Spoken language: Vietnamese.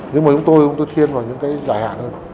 nhưng mà chúng tôi chúng tôi thiên vào những cái dài hạn hơn